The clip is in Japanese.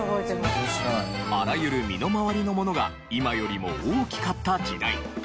あらゆる身の回りのものが今よりも大きかった時代。